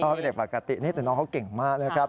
เป็นเด็กปกตินี่แต่น้องเขาเก่งมากนะครับ